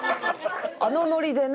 あのノリでね。